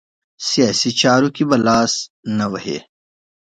سیاسي چارو کې به لاس نه وهي.